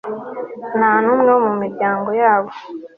Nta numwe wo mu miryango yabo